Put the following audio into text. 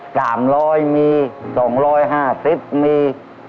สามร้อยมีสองร้อยห้าสิบมี